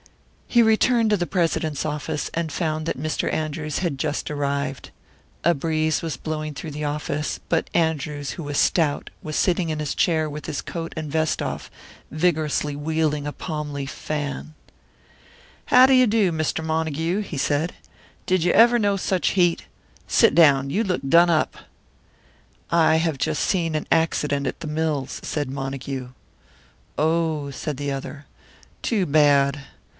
He returned to the president's office, and found that Mr. Andrews had just arrived. A breeze was blowing through the office, but Andrews, who was stout, was sitting in his chair with his coat and vest off, vigorously wielding a palmleaf fan. "How do you do, Mr. Montague?" he said. "Did you ever know such heat? Sit down you look done up." "I have just seen an accident in the mills," said Montague. "Oh!" said the other. "Too bad.